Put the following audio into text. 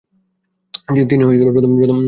তিনি প্রথম নারী জ্যোতির্বিদ ছিলেন।